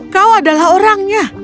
kau adalah orangnya